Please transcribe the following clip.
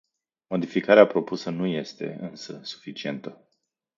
Modificarea propusă nu este, însă, suficientă.